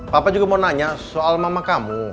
papa juga mau nanya soal mama kamu